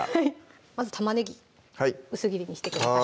まず玉ねぎ薄切りにしてください